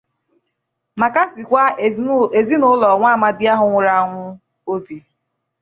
ma kasikwa ezinụlọ nwa amadi ahụ nwụrụ anwụ obi